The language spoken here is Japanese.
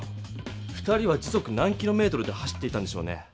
２人は時速何キロメートルで走っていたんでしょうね。